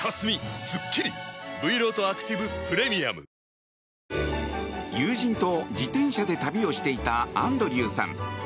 「のりしお」もね友人と自転車で旅をしていたアンドリューさん。